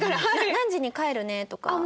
「何時に帰るね」とかは？